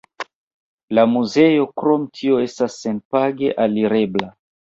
La muzeo krom tio estas senpage alirebla.